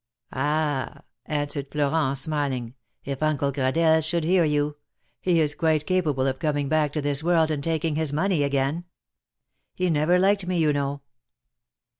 "Ah !" answered Florent, smiling; "if Uncle Gradelle should hear you ; he is quite capable of coming back to this world and taking his money again. He never liked me, you know."